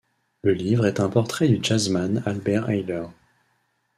Le livre est un portrait du jazzman Albert Ayler.